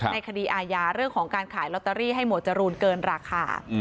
ในคดีอาญาเรื่องของการขายลอตเตอรี่ให้หมวดจรูนเกินราคา